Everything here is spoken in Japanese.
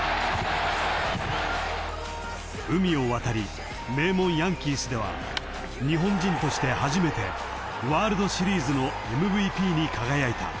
［海を渡り名門ヤンキースでは日本人として初めてワールドシリーズのＭＶＰに輝いた］